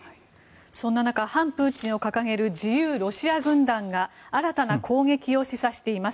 そんな中反プーチンを掲げる自由ロシア軍団が新たな攻撃を示唆しています。